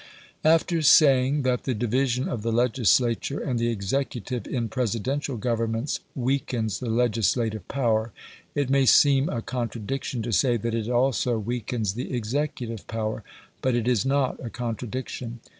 After saying that the division of the legislature and the executive in Presidential governments weakens the legislative power, it may seem a contradiction to say that it also weakens the executive power. But it is not a contradiction.